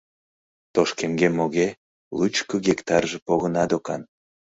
Тошкемге-моге лучко гектарже погына докан.